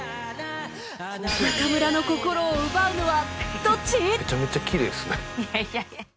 中村の心を奪うのはどっち！？